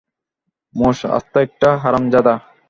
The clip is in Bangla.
মুস আস্ত একটা হারামজাদা।